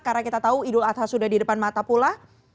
karena kita tahu idul atas sudah di depan mata pula